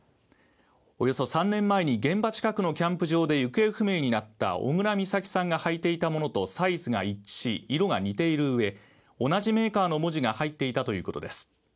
およそ３年前に現場近くのキャンプ場で行方不明になった小倉美咲さんが履いていたものとサイズが一致し色が似ているうえ、同じメーカーの文字が入っていたということです。